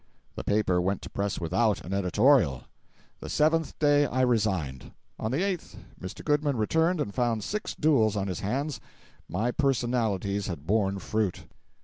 The paper went to press without an editorial. The seventh day I resigned. On the eighth, Mr. Goodman returned and found six duels on his hands—my personalities had borne fruit.